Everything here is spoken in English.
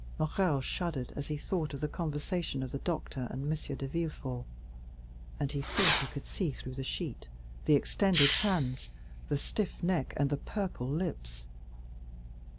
Morrel shuddered as he thought of the conversation of the doctor and M. de Villefort, and he thought he could see through the sheet the extended hands, the stiff neck, and the purple lips.